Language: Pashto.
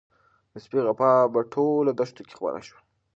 د سپي غپا په ټوله دښته کې خپره شوه.